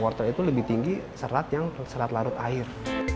wortel itu lebih tinggi serat yang serat larut air